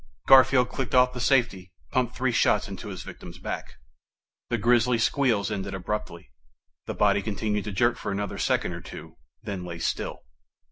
Garfield clicked off the safety, pumped three shots into his victim's back. The grisly squeals ended abruptly. The body continued to jerk for another second or two, then lay still.